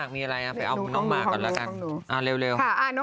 อ่ะใครอ่ะพี่เมียว